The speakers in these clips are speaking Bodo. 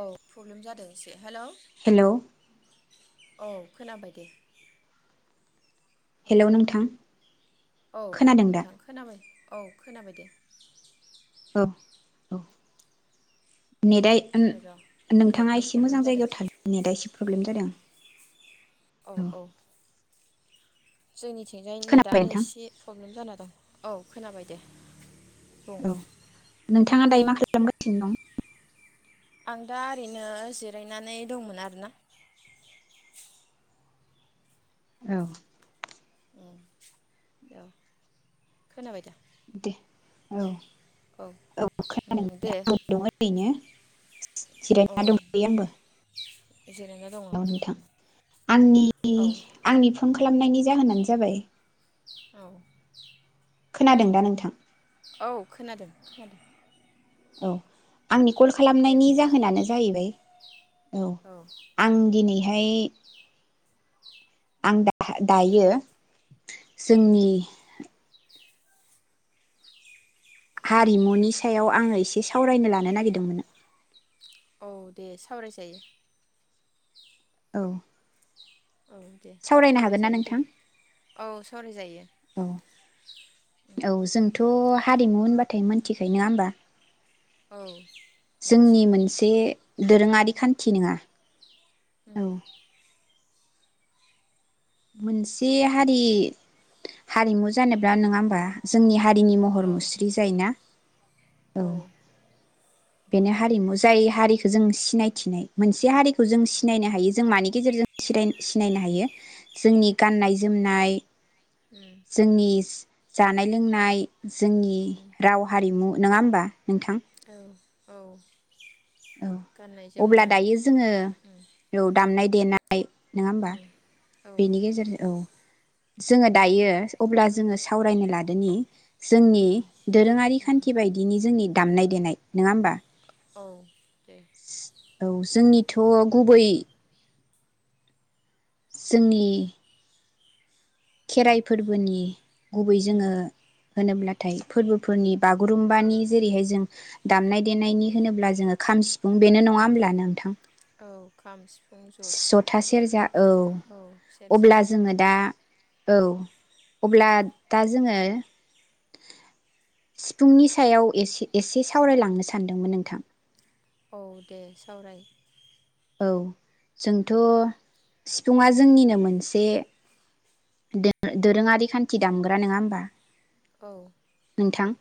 औ प्रब्लेम जादों एसे हेलौ हेलौ औ खोनाबाय दे औ हेलौ नोंथां औ खोनादों दा नोंथां खोनाबाय औ खोनाबाय दे औ औ नेटआ ओन र' नोंथाङा नेटनि एसे प्रब्लेम मोजां जादों जायगायाव थानो नेटआ एसे प्रब्लेम जादों औ औ जोंनिथिंजाय खोनाबाय नेटानो नोंथां एसे प्रब्लेम जानानै औ खोनाबाय दे बुं थाङा दायो मा खालामगासिनो दं आं दा ओरैनो जिरायनानै दंमोन आरोना औ उम औ खोनाबाय दा दे औ औ खोनादों उम दे नोंथां दं ओरैनो औ जिरायना दं आंबो जिरायना दङ उम औ नोंथां आंनि औ आंनि फन खालामनायनि जाहोनानो जा जाबाय औ खोनादों दा नोंथां औ खोनादों खोनादों औ आंनि कल दे खालामनायनि बुं जाहोनानो जाहैबाय औ आं दिनै बेहाय आं दा दायो उम जोंनि हारिमुनि सायाव आङो एसे सावरायनो लानो नागिरदोंमोन औ दे सावरायजायो औ औ दे सावरायनो हागोन सावरायजायो दे औ सावराय जायो। उम औ जों थ' हारिमु होनबाथाय मोनथिखायो नङा होमबा औ जोंनि मिथियो मोनसे दोरोङारि खान्थि नोङा उम मोनसे हारि हारिमु जानोब्ला नोङा होमबा जोंनि हारिनि महर औ मुस्रि जायोना औ बेनो हारिमु जाय हारिखौ जों सिनायथिनाय मोनसे हारिखौ जों सिनायनो हायो जों मानि गेजेरजों सिनायनो हायो जोंनि गाननाय जोमनाय। उम जोंनि। जानाय लोंनाय। जोंनि उम राव हारिमु। नङा होमबा? नोंथां औ। औ। औ गाननाय अब्ला जोमनाय दायो जोङो उम औ दामनाय। देनाय नङा होमबा उम औ बेनि गेजेरजों औ। जोङो दायो अब्ला जोङो सावरायनो लादोनि। जोंनि उम दोरोङारि उम खान्थि बायदिनि जोंनि। दामनाय देनाय नङा होमबा। औ। दे औ जोंनि। थ' गुबै जोंनि। उम खेराइ फोरबोनि गुबै उम जोङो। होनोब्लाथाय फोरबोफोरनि बागुरुम्बानि जेरैहाय जों दामनाय देनायनि होनोब्ला जोङो खाम सि [unintelligible] बेनो नङा होमब्ला नोंथां? औ खाम सिफुं जथा सेरजा औ औ सेरजा अब्ला जोङो दा औ अब्ला। दा जोङो सिफुंनि सायाव एसे एसे सावरायलांनो सानदोंमोन नोंथां। औ दे सावराय औ जोंथ'। सिफुंआ औ जोंनिनो मोनसे [unintelligible] दोरोङारि खान्थि दाम। नङा होमबा औ नोंथां।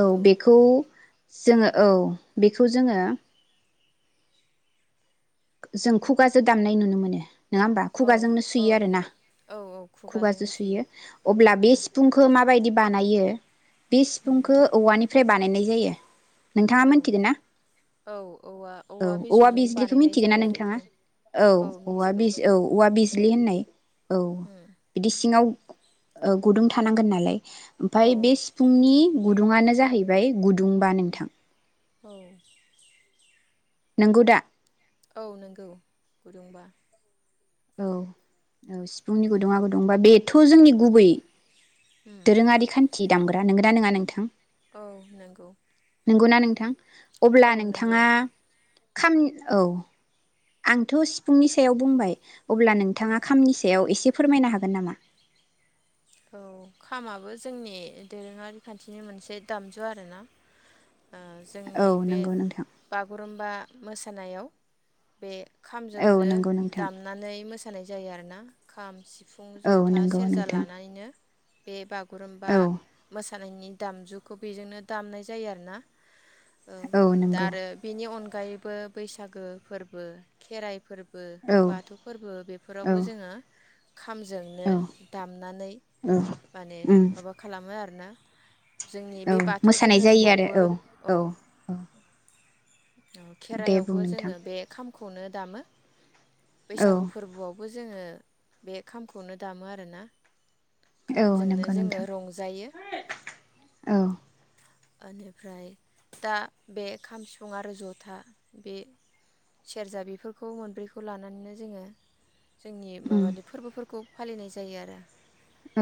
औ बेखौ जोङो औ बेखौ जोङो। जों खुगाजो दामनाय नुनो मोनो। नङा होमबा? औ खुगाजोंनो औ सुयो आरो ना। औ खुगाजों खुगाजोंनो सुयो अब्ला बे सिफुंखौ मा माबायदि बानायो। बे सिफुंखौ औवानिफ्राय बानायनाय। जायो नोंथाङा औ मिथिगोन ना औ औवा औ औवा बिजौजों बिजखौ बानायनाय मिथिगोन ना जायो आरो नोंथाङा बेखौ औ औव बिज औ औ [unintelligible] उम [unintelligible] औ सिङाव ओ गुदुं थानांगोन नालाय औ ओमफाय बे सिफुंनि गुदुंङआनो जाहैबाय [unintelligible] [unintelligible] गुदुंबा उम नोंथां। औ नोंगौ दा? औ नंगौ गुदुंबा। औ औ सिफुंनि गुदुंआ गुदुंबा बे [unintelligible] [unintelligible] जोंनि औ गुबै उम दोरोङारि खान्थि दामग्रा नोंगौना नङा नोंथां औ नंगौ नंगौना नोंथां अब्ला औ नंगौ नोंथाङा खाम औ आंथ' सिफुंनि सायाव बुंबाय अब्ला नोंथाङा खामनि सायाव एसे फोरमायनो हागोन नामा औ खामाबो जोंनि दोरोङारि खान्थिनि मोनसे दामजु आरोना औ जोंनि बे नंगौ नोंथां बागुरुम्बा मोसानायाव बे औ खामजोंनो नंगौ नोंथां दामनानै मोसा जाया आरो ना खाम सिफुं औ नंगौ नोंथां बेबा गुरुमबा औ मोस मोसानायनि दामजुखौ बेजोंनो दामनाय जायो आरो ना औ दा आरो बेनि अनगा अनगायैबो बैसागो फोरबो खेराइ फोरबो औ फोरबो बाथौ फोरबो औ बेफोरावबो जोङो ओं खामजोंनो औ दाम औ माने उम माबा खालामो आरो ना जोंनि औ बे बाथौ मोसानाय जायो आरो दोहोरोमावबो औ औ दे बुं खेराइआवबो नोंथां जोंङो बे खाम खौनो दामो औ बैसागु फोरबोआव बो जोंङो बे खामखौनो दामो आरोना औ खामजोंनो नंगौ जोंङो नोंथां रंजायो औ ओनिफ्राय दा बे खाम सिफुं आरो जथा बे सेरजा बेफोरखौ मोनब्रैखौ लानानैनो जोङो जोंनि उम माबानि फोरबोफोरखौ फालिनाय जायो आरो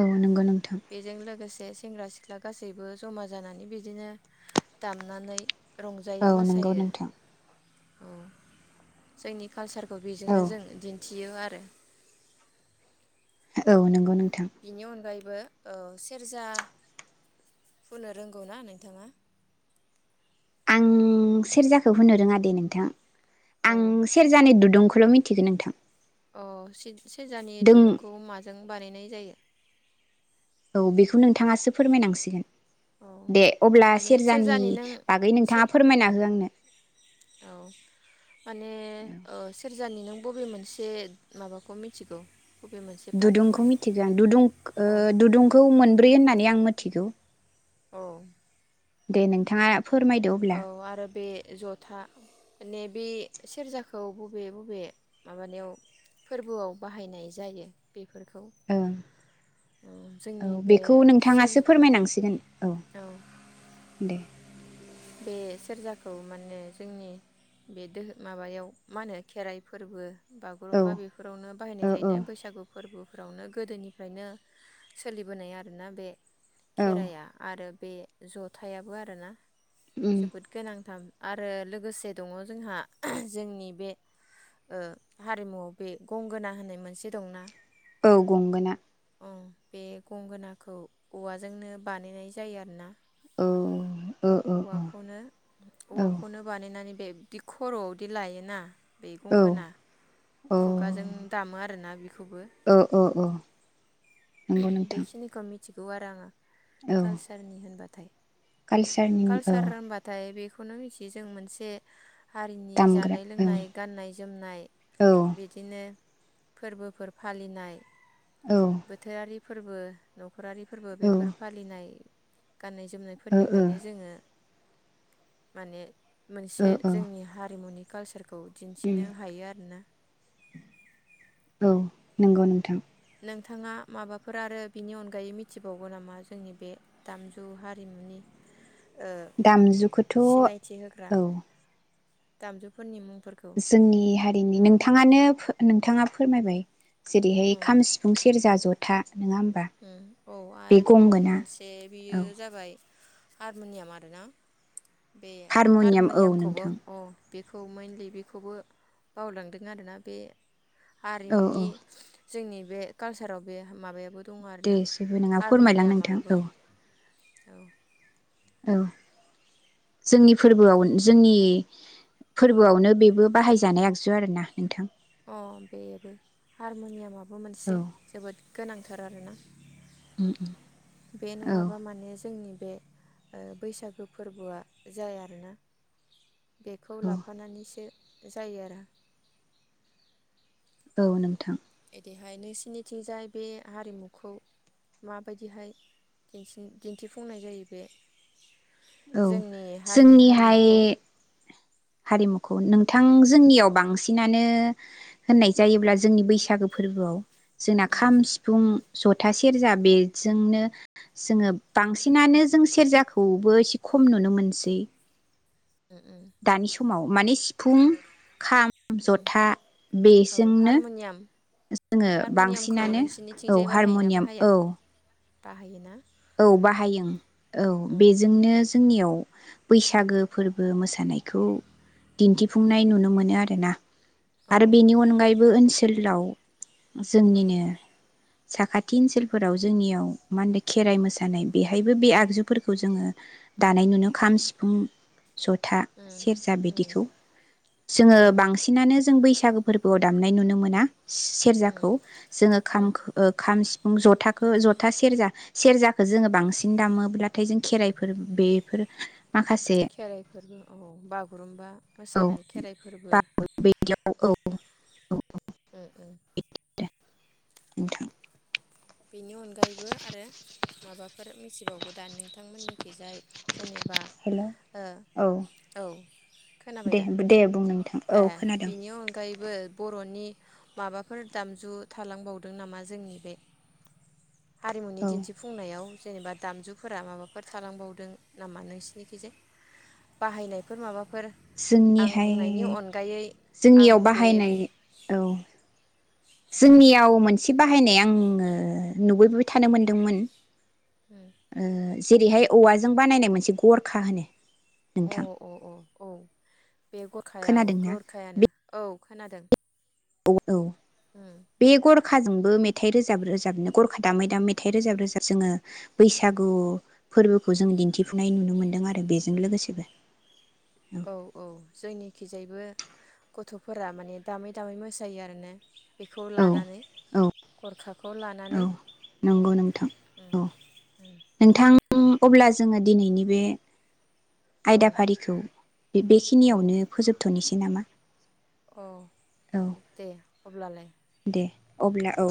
औ नंगौ नोंथां बेजों लोगोसे सेंग्रा सिख्ला गासैबो जमा जानानै बे बिदिनो दामनानै रंजायो औ नंगौ मोसायो नोंथां औ जोंनि कालसारखौ औ बेजोंनो जों दिन्थि बियो आरो औ नंगौ नोंगौ। बिनि अनगायैब बो ओ सेरजा हुनो रोंगौ ना नोंथाङा? आं सेरजाखौ हुनो रोङा दे नोंथां। आं औ सेरजानि दुदुं खौल मिथिगो नोंथां। अ सेद-सेरजानि दों दुरुंखौ माजों बानायनाय जायो? औ बेखौ नोंथाङासो फोरमायनांसिगोन। औ दे अब्ला माने सेरजानि नों बागै सेर नोंथाङा फोरमायना हो आंनो औ औ बुरजानि नों बबे मोनसे माबाखौ मिथिगौ? बबे मोनसे पार्टखौ दुदुंखौ मिथिगो आं दुदुं ओ अ दुदुंखौ मोनब्रै होनना होननानै आं मिथिगौ। औ दे नोंथाङा फोरमायदो अब्ला औ आरो बे जथा माने बे सेरजाखौ बबे बबे माबानायाव फोरबोआव बाहायनाय जायो बेफ ओं औ जोंनि बे बेखौ सेर नोंथाङासो फोरमायनांसिगोन औ दे। बे सेरजाखौ माने जोंनि बे दोहो माबायाव मा होनो खेराइ फोरबो औ बागुरुम्बा बेफोरावनो बाहायनाय औ औ जायोना बैसागु फोरबो फोरावनो गोदोनिफ्रायनो सोलिबोनाय आरोना बे औ खेराइआ आरो बे जथायाबो आर दाना उम जोबोद गोनांथाम आरो लोगोसे दङ जोंहा जोंनि बे ओ हारिमुआव बे गंगोना होननाय मोनसे दंना औ गंगोना। ओं बे गंगोनाखौ औवाजोंनो बानायनाय जायो आरोना। औ औ औ औवाखौनो औ औवाखौनो बानायनानै बेबदि खरआवदि लायोना? बे गंगोना। खुगाजों दामो आरोना बेख ओ अ अ बेखिनिखौ मिथ मिथिगौ आरो आङो। कालचारनि होनबा थाय कालचारनि औ खौनो मिथियो जों मोनसे हारिनि दामग्रा जानाय ओं लोंनाय गाननाय जोमनाय औ बिदिनो फोरबोफोर फालिनाय। औ ओ बोथोरारि फोरबो नु नखरारि फोरबो ओ बेफोर फालिनाय गाननाय जोमनायफोरनिफायनो जोङो। माने ओ मोनसे जोंनि हारिमुनि कालसार फोर खौ उम दिन्थिनो हायो आरोना? औ नंगौ नोंथां नोंथाङा माबाफोर आरो बिनि अनगायै मिथिबावगोन नामा जोंनि बे दामजु हारिमुनि ओ दामजुखौथ' औ दामजु फोरनि मुं जोंनि हारिनि नोंथाङानो नोंथाङा फोरमायबाय जेरैहाय औ खाम सिफुं सेरजा जट था औ आरो दंबावो मोनसे बियो औ जाबाय हारमुनियामा आरो ना? बे हारमनियाम औ हारमुनियामखौबो नोंथां अ बेखौ मनलि बेखौबो बावलांदों आरोना बे औ औ हारिमुनि जोंनि बे कालचाराव बे माबायाव दे जेबो नङा फोरमायलां नोंथां औ। औ। औ जोंनि फोरबोआव जोंनि फोरबोआवनो बेबो बाहायजानाय आगजु आरोना नोंथां। अ बेबो हारम'नियाम बेबो औ मोनसे जोबोद गोनांथार आरोना। उम बे नङाबा माने जोंनि बे बैसागो फोरबोआ जाया आरोना। बेखौ औ लाफानानैसो जायो आरो औ नोंथां। बेहाय नोंसिनिथिंजाय बे हारिमुखौ माबायदिहाय दि दिन्थिफुंनाय जायो बे औ जोंनि हारिनि जोंनिहाय हारिमुखौ हारिमु खौ नोंथां जोंनियाव बांसिनानो होननाय जायोब्ला जोंनि बैसागो फोरबोआव जोंना उम खाम सिफुं जथा सेरजा बेजोंनो जोङो बांसिनानो जों सेरजाखौबो एसे खम नुनो मोनसै। उम उम दानि समाव माने सिफुं खाम उम जथा औ बेजोंनो हारम'नियाम जोङो हारमनियामखौ बांसिनानो औ नोंसिनिथिंजाय बाहायोना हारम'नियाम बाहाया औ बाहायोना? औ बाहायो औ उम बेजोंनो जोंनियाव बैसागो फोरबो मोसानायखौ दिन्थिफुंनाय नुनो मोनो आरोना। औ आरो बेनि अनगायैबो ओनसोल लाव उम जोंनिनो साखाथि ओनसोलफोराव जोंनियाव मा हन खेराइ मोसानाय बेहायबो बे आगजुफोरखौ जोङो दानाय नुनो खाम सिफुं जथा उम सेरजा उम बिदिखौ जोङो औ बांसिनानो जों बैस बैसागो फोरबोआव दामनाय नुनो मोना उम स-सेरजाखौ जोङो उम खामख खाम सिफुं जथा खो जथा सेरजा सेरजाखौ जोङो बांसिन दामोब्लाथाय जों खेराइफोर बेफोर माखासे बेफोरबो औ बागुरुम्बा औ मोसानाय खेराइ फोरबो बाव बिदियाव औ उम उम नोंथां बेनि अनगायैबो आरो माबाफोर मिथिबागो दा नोंथांमोननिखि जाय जेनेबा हेल' ओ औ औ खोनाबाय दे दा दे बुं नोंथां ए औ खोनादों बिनि अनगायैबो बर'नि माबाफोर दामजु थालांबावदों नामा जोंनि बे हारिमुनि औ दिन्थिफुंनायाव जेनेबा दामजुफोरा माबाफोर थालांबावदों नामा नोंसिनिखिजाय बाहायनायफोर माबाफोर आं जोंनिहाय बुंनायनि अनगायै आं जोंनियाव बे बाहायनाय औ जोंनियाव मोनसे बाहायनाय आङो नुबोबोबाय थानो मोनदोंमोन ओ जेरैहाय औवाजों बानायनाय मोनसे गरखा होनो अ नोंथां अ अ औ बे गरखायाव खोनादोंना गरखायानो बे औ खोनादों औ उम बे गर खाजोंबो मेथाइ रोजाब-रोजाबनो गरखा दामै दामै मेथाइ रोजाब रोजाब जोङो बैसागु फोरबोखौ जों दिन्थिफुनाय नुनो मोन्दों आरो बेजों लोगोसेबो औ औ जोंनिखिजायबो गथ'फोरा माने दामै दामै मोसायो आरोना बेखौ औ लानानै औ गरखाखौ लानानै औ नंगौ नोंथां उम औ उम नोंथां ङ अब्ला जोङो दिनैनि बे औ आयदाफारिखौ बे-बेखिनियावनो फोजोबथ'नोसै नामा अ औ दे अब्लालाय दे अब्ला औ।